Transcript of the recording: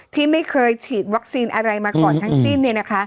ที่ไม่เคยฉีดวัคซีนอะไรมาก่อนทั้งสิ้น